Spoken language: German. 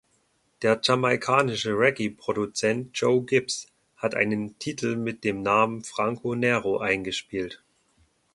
Der jamaikanische Reggae-Produzent Joe Gibbs hat einen Titel mit dem Namen „Franco Nero“ eingespielt.